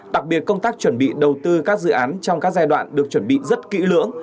đặc biệt công tác chuẩn bị đầu tư các dự án trong các giai đoạn được chuẩn bị rất kỹ lưỡng